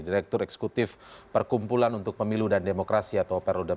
direktur eksekutif perkumpulan untuk pemilu dan demokrasi atau perludem